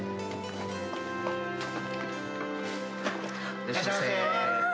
いらっしゃいませ。